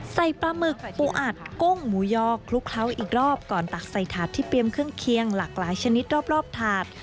ปลาหมึกปูอัดกุ้งหมูยอคลุกเคล้าอีกรอบก่อนตักใส่ถาดที่เตรียมเครื่องเคียงหลากหลายชนิดรอบถาด